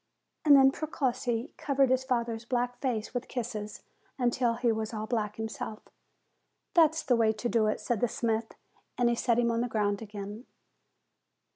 And then Precossi covered his father's black face with kisses, until he was all black himself. "That's the way to do it," said the smith, and he set him on the ground again.